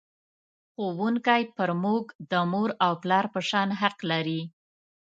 ښوونکی پر موږ د مور او پلار په شان حق لري.